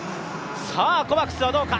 コバクス、どうか。